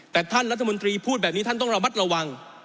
แต่ท่านรัฐมนตรีพูดแบบนี้ท่านต้องระมัดระวัง